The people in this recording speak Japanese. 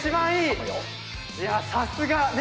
いや、さすが！